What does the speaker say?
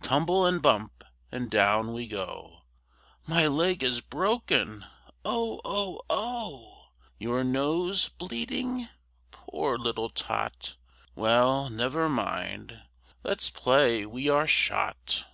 Tumble and bump! and down we go! My leg is broken! oh! oh! OH!! Your nose bleeding? poor little Tot! Well, never mind! let's play we are shot!